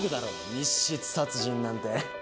密室殺人なんて。